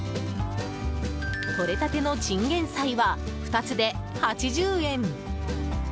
とれたてのチンゲンサイは２つで８０円。